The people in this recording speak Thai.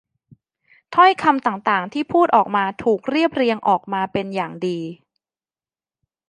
ถ้อยคำต่าง ๆ ที่พูดออกมาถูกเรียบเรียงออกมาเป็นอย่างดี